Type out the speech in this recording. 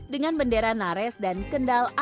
dengan bendera nares dan kendal